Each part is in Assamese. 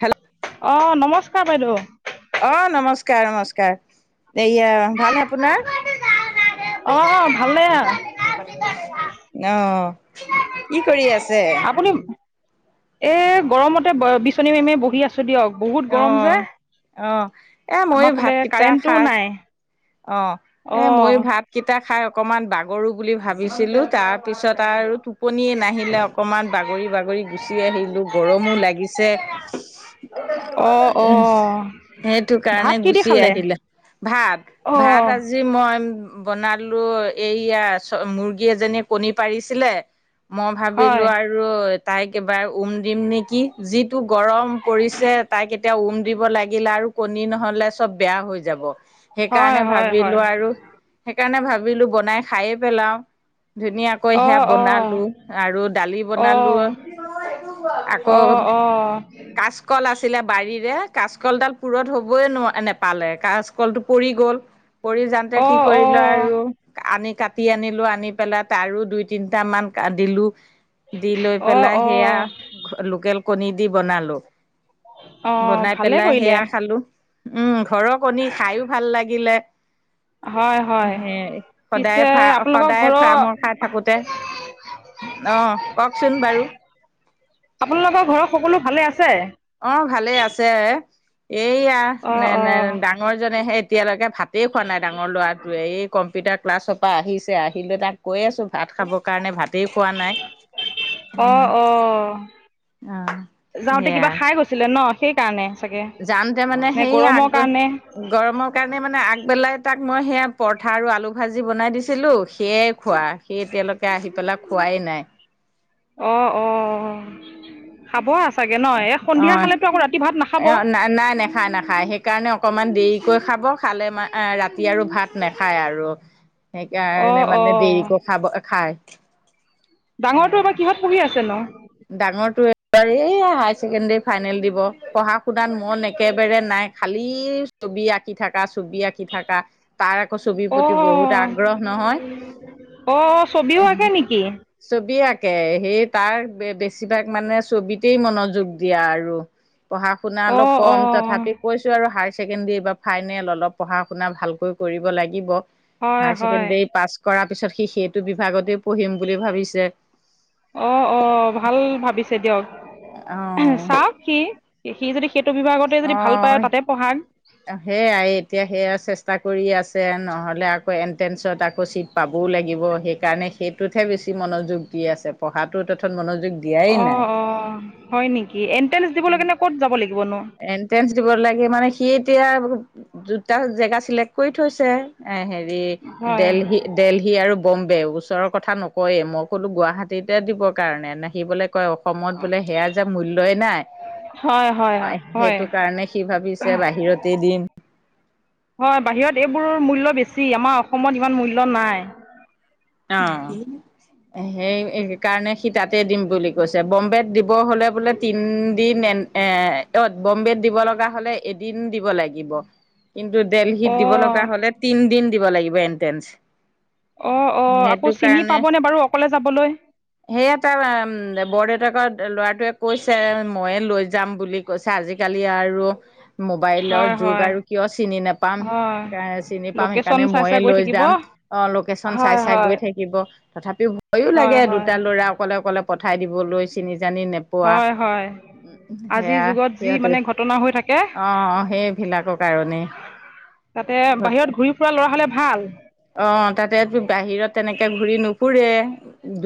হেল্ল, অ, নমস্কাৰ বাইদেউ। অ, নমস্কাৰ নমস্কাৰ দেয়া ভাল নে অ, ভালেই। আহ, কি কৰি আছে। আপুনি এ, গৰমতে বিচনী মাৰি, মাৰি বহি আছো দিয়ক বহুত গৰম যে। অ, এ মই আমাৰ ফালে ভাতকেইটা কাৰেণ্টটোও খাই, নাই অ, এ মই অ' ভাত। কেইটা খাই অকণমান বাগৰু বুলি ভাবিছিলোঁ তাৰপিছত আৰু টোপনিয়ে নাহিলে অকমান বাগৰি বাগৰি গুচি আহিলো গৰমো লাগিছে অ' উম অ' সেইটো ভাত কাৰণে কি দি গুচি খালে? আহিলে ভাত অ' ভাত আজি আজি মই বনালো এইয়া মুৰ্গী এজনীয়ে কণী পাৰিছিলে মই ভাবিলো হয় আৰু তাইক এবাৰ উম দিম নেকি যি টো গৰম পৰিছে তাই এতিয়া উম দিব লাগিলে আৰু কণী নহ'লে চব বেয়া হৈ যাব। হয় সেইকাৰণে হয় হয় ভাবিলোঁ আৰু সেইকাৰণে ভাবিলো বনাই খাইে পেলাও ধুনীয়া আকৌ সেয়া অ' অ' বনালো আৰু দালি বনালো অ' অ' আকৌ অ' অ' কাচকল আছিলে বাৰীৰে কাচকলডাল পুৰত হবই ন নেপালে কাচকলটো পৰি গ'ল পৰি যাওঁতে কি কৰিল আৰু অ' আনি কাটি কাটি আনিলো আনি পেলাই তাৰু দুই তিনটা মান দিলো দি লৈ অ' পেলাই সেয়া অ' লোকেল কণী দি বনালো। অ' বনাই ভালে পেলাই কৰিলে সেয়া খালো উম ঘৰৰ কণী খাইো ভাল লাগিলে হয় হয়। সে পিছে সদায় ফ আপোনালোকৰ সদায় ঘৰৰ ফ্ৰামৰ খাই থাকোতে অ', কওকচোন বাৰু আপোনালোকৰ ঘৰৰ সকলো ভালে আছে অ', ভালে আছে এইয়া অঁ অঁ ডাঙৰজনেহে এতিয়ালৈকে ভাতেই খোৱা নাই ডাঙৰ ল'ৰাটোৱে এই কম্পিউটাৰ ক্লাছৰ পৰা আহিছে আহিলে তাক কৈ আছো ভাত খাবৰ কাৰণে ভাতেও খোৱা নাই। অঁ অঁ অ', সেয়া আছিলে ন সেইকাৰণে চাগে যাওঁতে মানে নে সেইয়া আগ গৰমৰ কাৰণে গৰমৰ কাৰণে মানে আগবেলাই তাক মই সেয়া পৰঠা আৰু আলু ভাজি বনাই দিছিলো সেয়াই খোৱা সেই এতিয়ালৈকে আহি পেলাই খোৱাই নাই অ', অ', খাব চাগে নহ এই সন্ধিয়া অ খালেতো আকৌ ৰাতি ভাত নাখাব অ' নাই নাই খাই নাখায় সেইকাৰণে অকমান দেৰিকৈ খাব খালে ৰাতি আৰু ভাত নাখায় আৰু অঁ সেইকাৰণে মানে অঁ দেৰিকে খাব খায়। ডাঙৰটো এবাৰ কিহত পঢ়ি আছে নো ডাঙৰট হায়াৰ ছেকেণ্ডাৰী ফাইনেল দিব পঢ়া শুনাত মন একেবাৰে নাই খালি ছবি আঁকি থাকা ছবি আঁকি থকা তাৰ আকৌ ছবিৰ প্ৰতি বহুত অঁ আগ্ৰহ নহয় অঁ ছবিও আঁকে নেকি ছবি আঁকে সেই তাৰ বেছিভাগ মানে ছবিতেই মনোযোগ দিয়া আৰু পঢ়া আপোনাৰ অলপ অঁ কম অঁ তথাপি কৈছো আৰু হায়াৰ ছেকেণ্ডেৰী বা ফাইনেল অলপ পঢ়া শুনা ভালকৈ কৰিব লাগিব, হয় হাইাৰ হয় ছেকেণ্ডাৰী পাছ কৰাৰ পিছত সি সেইটো বিভাগতেও পঢ়িম বুলি ভাবিছে অ', অ', ভাল ভাবিছে দিয়ক অ চাওক সি সি যদি সেইটো বিভাগতে যদি অ ভাল পায় তাতে পঢ়াক সেয়াই এতিয়া সেয়া চেষ্টা কৰি আছে নহলে আকৌ এণ্ট্ৰেঞ্চত আকৌ চিট পাবও লাগিব সেইকাৰণে সেইটোতহে বেছি মনোযোগ দি আছে পঢ়াটো তথত মনোযোগ দিয়াই নাই অ', অ', হয় নেকি এণ্ট্ৰেঞ্চ দিবলৈ কাৰনে ক'ত যাব লাগিবনো? টেন্ঞ্চ দিব লাগে মানে সি এতিয়া দুতা জেগা চিলেক্ট কৰি থৈছে এ হেৰি এ হয় দেলহি দেলহি আৰু বম্বে ওচৰৰ কথা নকয়ে মই ক'লো গুৱাহাটীতে দিবৰ কাৰণে নাহিবলৈ কয় অসমত বোলে সেয়া যে মূল্যই নাই হয় হয় অ', হয় সেইটো কাৰণে সি ভাবিছ বাহিৰতে দিম হয় বাহিৰত এইবোৰৰ মূল্য বেছি আমাৰ অসমত ইমান মূল্য নাই। অ', সেইকাৰণে সি তাতে দিম বুলি কৈছে বম্বে দিব হলে বোলে তিন দিন এ অ', বম্বেত দিব লগা হ'লে এদিন দিব লাগিব। কিন্তু দেলহিত দিব অঁ লগা হ'লে তিন দিন দিব লাগিব এনট্ৰেঞ্চ। অ', অ'আকৌ চিনি পাবনে বাৰু অকলে যাবলৈ? সেই এটা বৰদেউতাকৰ ল'ৰাটোৱে কৈছে ময়ে লৈ যাম বুলি। কৈছে আজিকালি আৰু মোবাইলৰ হয় যুগ হয় আৰু কিয় চিনি নাপাম। হয় চিনি পাম লোকেশ্যন সেইকাৰণে চাই চাই ময়ে গৈ লৈ থাকিব যাম অ', লোকেশচন চাই। হয় চাই গৈ হয় থাকিব তথাপি ভয়ো লাগে হয় হয় দুটা ল'ৰা অকলে, অকলে। পঠাই দিবলৈ চিনি জানি নেপাই। হয়, হয়। আজিৰ সেয়া যুগত যি সিহঁতে মানে ঘটনা হৈ থাকে অ', সেইবিলাকৰ কাৰণেই। তাতে বাহিৰত ঘূৰি ফুৰা ল'ৰা হলে ভাল। অ', তাতে বাহিৰত তেনেকে ঘূৰি নুফুৰে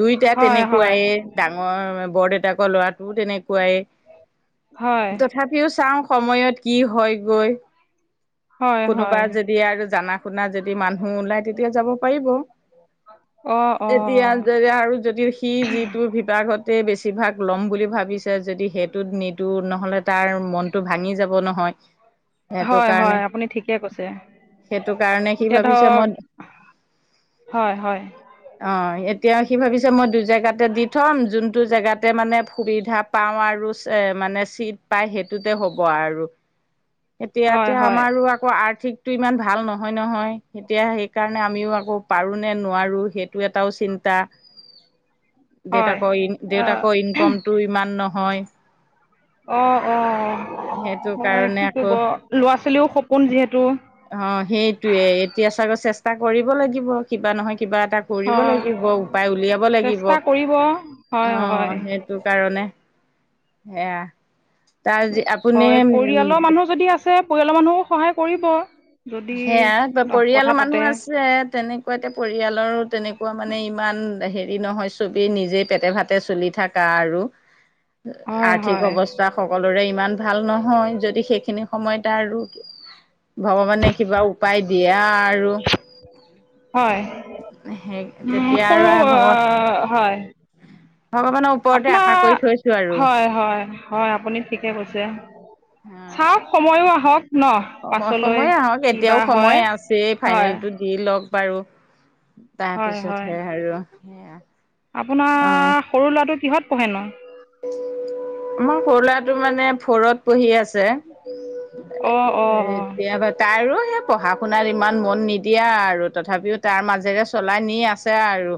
দুইটা হয় হয় তেনেকুৱাইে। ডাঙৰ বৰদউতাকৰ ল'ৰাটোও তেনেকুৱাই। হয়। তথাপিও চাওঁ সময়ত কি হয় গৈ হয় কোনোবা হয় যদি আৰু জানা। শুনা যদি মানুহ ওলাই তেতিয়া যাব পাৰিব। অঁ এতিয়া অঁ যে আৰু যদি। সি যিটো বিভাগতে বেছিভাগ ল'ম বুলি ভাবিছে যদি সেইটোত নিদো নহ'লে। তাৰ মনটো ভাঙি যাব নহয়। সেইটো হয়, কাৰণে হয় আপুনি ঠিকে কৈছে সেইটো কাৰণে সি এতিয়া ভাবিছে ধৰক। মই হয়, হয়। অ', এতিয়া সি ভাবিছে মই দুই জেগাতে দি থ'ম যোনটো জেগাতে মানে সুবিধা। পাওঁ আৰু মানে চিট পাই সেইটোতে হ'ব আৰু। [unintelligible] এতিয়াতে হয় আমাৰো আকৌ আৰ্থিকতটো ইমান ভাল নহয়, নহয়। এতিয়া সেইকাৰণে আমিও আকৌ পাৰো নে নোৱাৰো সেইটো এটাও চিন্তা। [unintelligible] দেউতাকৰ, অঁ দেউতাকৰ ইনকমতটো ইমান নহয়। অ', অ' সেইটো মই কাৰণে কি ক আকৌ ল'ৰা ছোৱালীও সপোন যিহেতু। অ', সেইটয়ে এতিয়া চাগৈ চেষ্টা কৰিব লাগিব কিবা নহয় কিবা এটা। কৰিব হয় লাগিব উপায় উলিয়াব লাগিব চেষ্টা কৰিব হয় হয় অ', সেই তোৰ কাৰণে সেয়া তাৰ যি আপুনি উম। ছে পৰিয়ালৰ মানুহো সহায় কৰিব। যদি সেয়া কথা পৰিয়ালৰ পাতে মানুহ আছে তেনেক আকৌ এতে পৰিয়ালৰো তেনেকুৱা মানে ইমান হেৰি নহয় ছবিেই নিজেই পেটে ভাাটতে চলি থাক। কা আৰু। উ আৰ্থিক অৱস্থা। তাৰ সকলোৰে ইমান ভাল নহয়, যদি সেইখিনি সময়ত আৰু ভগৱানে। কিবা উপায় দিয়ে আৰু। হয়, সেই উম, তেতিয়া আৰু সৰু হয়। ভগবানৰ উপ আপোনাৰ হয়, হয়। হয়, আপুনি ঠিকে কৈছে হয় চাওঁক সময়ো আহক। ন সময় পাছলৈ সময়ে আহক এতিয়াও কিবা হয় সময় আছে হয় ফাইনেলটোত। দি লক বাৰু হয় হয় তাৰপিছতহে আৰু সেয়া। আপোনাৰ। অ'। সৰু ল'ৰাটো কিহত পঢ়েনো? মোৰ সৰু ল'ৰাটো মানে ফৰত পঢ়ি আছে। অঁ অঁ অঁ এতিয়া বাত তাইো সেই পঢ়া শুনাত ইমান মন নিদিয়া আৰু তথাপিও তাৰ মাজেৰে চলাই নি আছে আৰু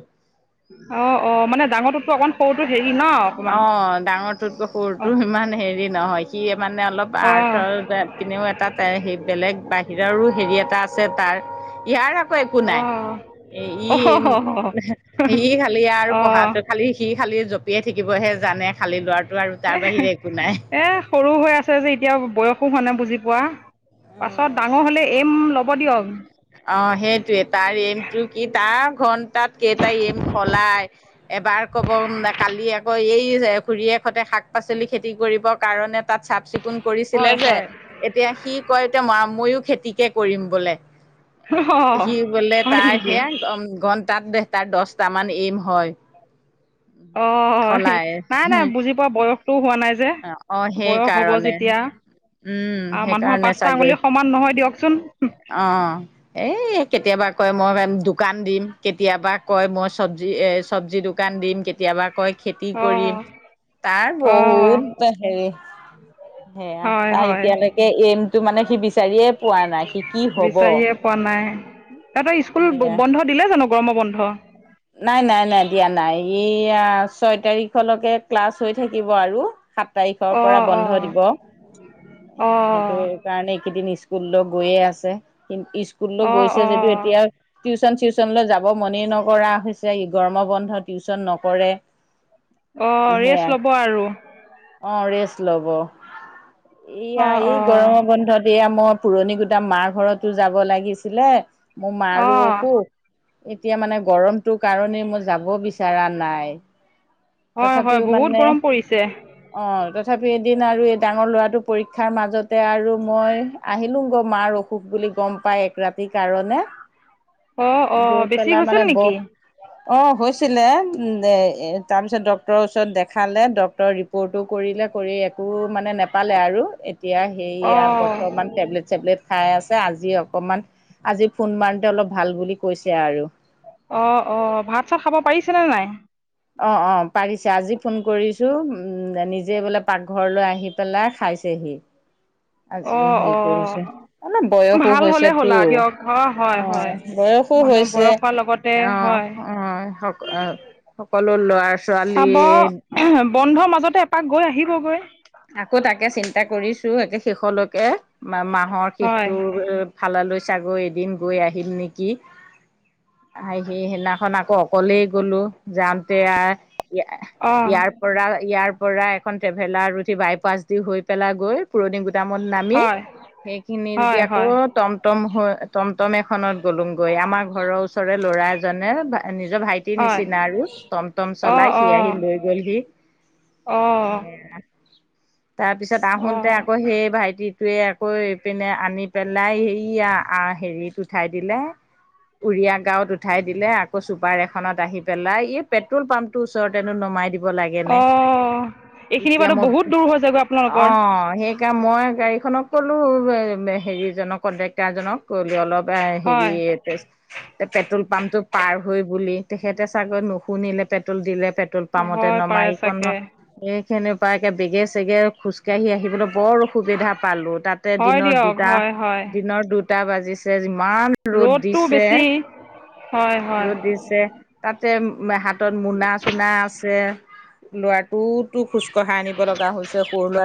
অ', অ', মানে ডাঙৰটোত কৈ অকমান সৰুটো হেৰি ন অকণমান অ', ডাঙৰটোত ক সুৰটো অঁ ইমান হেৰি নহয় সি মানে অলপ অঁ আৰ্থৰ পিনেও এটা সেই বেলেগ বাহিৰৰো হেৰি এটা আছে তাৰ ইয়াৰ একো নাই এ ই অঁ অঁ ই খালি আৰু পঢ়া অঁ খালি সি খালি জঁপিয়ে থাকিবহে জানে খালি লৰাটো আৰু এ তাৰ বাহিৰে একো নাই। এ সৰু হৈ আছে যে এতিয়া বয়সো হোৱা নাই বুজি পোৱা। পাছত ডাঙৰ হলে এম ল'ব দিয়ক। অ', সেইটয়ে তাৰ এমটো কি তাৰ ঘন্টাত কেইটা এম সলায় এবাৰ ক'ব কালি আকৌ এই যে খুৰীয়ে খতে শাক পাচলি খেতি কৰিবৰ কাৰণে তাত চাফ চিকুণ কৰিছিলে হয় যে হয় এতিয়া সি কয় এতিয়া মা ময়ো খেতিকে কৰিম বোলে। অ সি বোলে হয় তাই নেকি সেয়া ঘন্টাত দেহ তাৰ দছটামান এম হয়। অ', সেই সলাই নাই নাই বুজি পোৱা বয়সটোও হোৱা নাই যে অ বয়স হ'ব সেইকাৰণে যেতিয়া উম মানুহৰ সেইকাৰণে পাঁচটা চাগৈ আঙুলি সমান নহয় দিয়কচোন অ', এই কেতিয়াবা কয় মই দোকান দিম কেতিয়াবা কয় মই চব্জি এ চব্জি দো দোকান দিম কেতিয়াবা কয় খেতি অ কৰিম তাৰ অ বহুত হেৰি সেয়া হয় তাৰ হয় এতিয়ালৈকে এইমটো মানে সি বিচাৰিয়ে পোৱা নাই সি কি হব। বিচাৰিয়ে পোৱা নাই তহঁতৰ স্কুল সেয়া বন্ধ দিলে জানো গৰমৰ বন্ধ নাই নাই নাই দিয়া নাই ইয়া ছয় তাৰিখলৈকে ক্লাছ হৈ থাকিব আৰু সাত তাৰিখৰ পৰা অ বন্ধ দিব অ সেইটো কাৰণে এইকেইদিন স্কুললৈ গৈয়ে আছে কিন্ত স্কুললৈ অ গৈছে অ যদিও এতিয়া টিউশন চিউচনলৈ যাব মনে নকৰা হৈছে ই গৰমৰ বন্ধত টিউচন নকৰে অ', সেয়া ৰেষ্ট ল'ব আৰু অ', ৰেষ্ট লব, এইয়া অ', এই অ', গৰমৰ বন্ধত এয়া মই পুৰণি গুদাম মাৰ ঘৰতো যাব লাগিছিলে মোৰ মাৰো অ', অসুষ এতিয়া মানে গৰমটো কাৰণেই মই যাব বিচৰা নাই। হয় হয় তথাপিও বহুত মানে গৰম পৰিছে। অ', তথাপিও এদিন আৰু এই ডাঙৰ ল'ৰাটোৰ পৰীক্ষাৰ মাজতে আৰু মই আহিলো গৈ মাৰ অসুখ বুলি গম পাই এক ৰাতিৰ কাৰণে অ', অ', গৈ বেছি পেলাই হৈছিল মানে ব নেকি? অ', হৈছিলে উম এ তাৰপিছত ডক্টৰৰ ওচৰত দেখালে ডক্তৰে ৰিপৰ্টো কৰিলে কৰি একো মানে নেপালে আৰু এতিয়া সেইয়া অ', বৰ্তমান টেবলেট চেবলেট খাই আছে আজি অকমান আজি ফোন মাৰোতে অলপ ভাল বুলি কৈছে আৰু। অ', অ', ভাত চাত খাব পাৰিছেনে নাই? অ', অ', পাৰিছে আজি ফোন কৰিছো উ নিজে বোলে পাকঘৰলৈ আহি পেলাই খাইছেহি [inaudible] আজি অ', হেৰি কৰিছে অ', অলপ বয়সো ভাল হৈছে হ'লে হ'ল তো আৰু দিয়ক হয়, হয়। অ' বয়সো মানুহ হৈছে বয়স হোৱাৰ লগতে অ', হয়। অ', সক [unintelligible] সকলো লৰা চাব ছোৱালীয়ে বন্ধৰ মাজতে এপাক গৈ আহিবগৈ আকৌ তাকে চিন্তা কৰিছো একে শেষলৈকে মা মাহৰ হয়, শেষটোৰ খালালৈ চাগৈ এদিন গৈ আহিম নেকি? সেই সেইদিনাখন আকৌ অকলেই গ'লো যাওঁতে আৰু অ', ইয়াৰ পৰা ইয়াৰ পৰা এখন ট্ৰেভেলাৰ বাই পাচ দি হৈ পেলাই গৈ পুৰণি গুদামত নামি হয়, সেইখিনি হয়, তেতিয়া আকৌ হয়, টমটম হৈ টমটম এখনত গলোংগৈ আমাৰ ঘৰৰ ওচ ওচৰৰে ল'ৰা এজনে নিজৰ ভাইটিৰ হয়। নিচিনা আৰু টম, টম অ', চলায় সি অ', আহি লৈ গ'লহি অ'। তাৰ পিছত আহোতে অ', আকৌ সেই ভাইটিটোৱে আকৌ পিনে আনি পেলাই সেইয়া আ হেৰিত উঠাই দিলে উৰিয়া গাঁৱত উঠাই দিলে আকৌ চুপাৰ এখনত আহি পেলাই এই পেট্ৰল পাম্পটোৰ ওচৰতে নো নমাই দিব লাগে নে অ', এইখিনি এতিয়া বাৰু মই বহুত দূৰ হৈ যায়গৈ আপোনালোকৰ অ', সেই মই গাড়ীখনক ক'লো হেৰিজনক কণ্ডেক্টাৰজনক [unintelligible] অলপ হেৰি হয় এ পেট্ৰল পাম্পটো পাৰ হৈ বুলি তেখেতে চাগৈ নুশুনিলে পেট্ৰল দিলে পে প্ৰট্ৰেল পামতে হয় নমাই পাৰে ইকণ চাগে এই খিনি পা বেগে চেগে খোজকাঢ়ি আহিবলৈ বৰ সুবিধা পালো তাতে হয় দিনৰ দিয়ক দুটা হয় হয় দিনৰ দুটা বাজিছে যিমান ৰ'দ ৰ'দটো দিছে বেছি হয় হয় ৰ'দ দিছে তাতে হাতত মোনা চোনা আছে ল'ৰাটোতো খোজঢ়